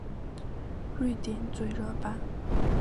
瑞典最热榜。